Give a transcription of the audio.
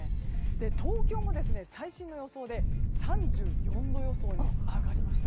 東京も最新の予想で３４度予想に上がりました。